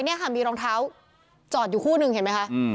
นี่ค่ะมีรองเท้าจอดอยู่คู่หนึ่งเห็นไหมคะ